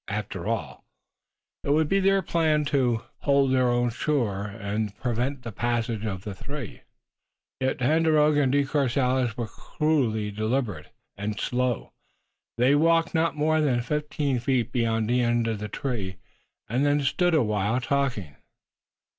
After all, it would be their plan to hold their own shore, and prevent the passage of the three. Yet Tandakora and De Courcelles were cruelly deliberate and slow. They walked not more than fifteen feet beyond the end of the tree, and then stood a while talking.